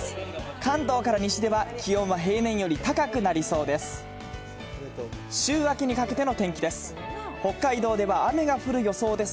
関東から西では気温は平年より高くなりそうです。